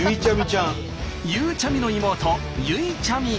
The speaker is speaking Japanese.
ゆうちゃみの妹ゆいちゃみ。